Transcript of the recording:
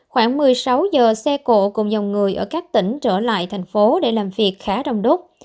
khoảng một mươi sáu giờ xe cộ cùng dòng người ở các tỉnh trở lại thành phố để làm việc khá đông đúc